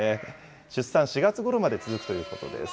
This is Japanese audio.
出産、４月ごろまで続くということです。